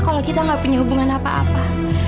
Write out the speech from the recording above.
kalau kita nggak punya hubungan apa apa